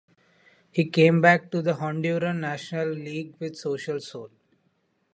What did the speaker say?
He came back to the Honduran National League with Social Sol.